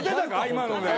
今ので。